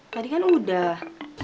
tadi kan udah